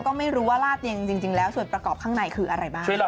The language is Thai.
ข้างบัวแห่งสันยินดีต้อนรับทุกท่านนะครับ